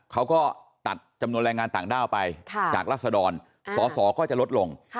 เขาก็ตัดจำนวนแรงงานต่างด้าวไปจากรัศดรสอสอก็จะลดลง